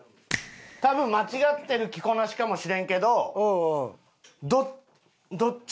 多分間違ってる着こなしかもしれんけどどっちかは欲しい。